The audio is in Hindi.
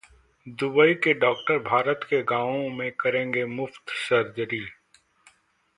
दुबई के डॉक्टर भारत के गांवों में करेंगे मुफ्त सर्जरी